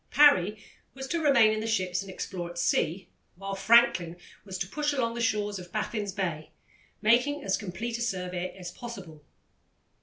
Parry was to remain in the ships and explore at sea, while Franklin was to push along the shores of Baffin's Bay, making as complete a survey as possible.